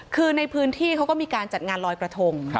คือในพื้นที่เขาก็มีการจัดงานลอยกระทง